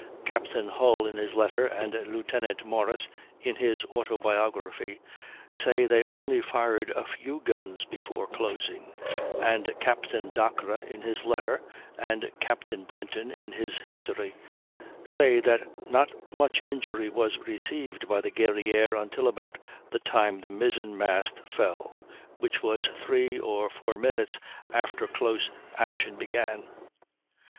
Captain Hull, in his letter, and Lieutenant Morris, (in his autobiography) say they only fired a few guns before closing; and Captain Dacres, in his letter, and Captain Brenton, in his "History," say that not much injury was received by the Guerrière until about the time the mizzen mast fell, which was three or four minutes after close action began.